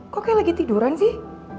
kok kayak lagi tiduran sih